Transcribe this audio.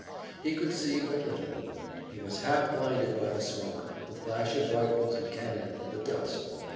He could see but little. He was half blinded by the smoke, the flash of rifles and cannon and the dust.